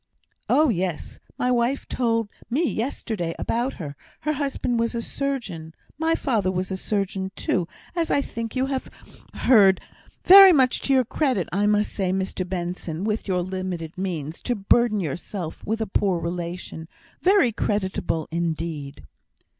"Oh, yes! my wife told me yesterday about her her husband was a surgeon; my father was a surgeon too, as I think you have heard. Very much to your credit, I must say, Mr Benson, with your limited means, to burden yourself with a poor relation. Very creditable indeed."